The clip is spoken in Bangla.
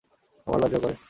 আমার লজ্জা করে।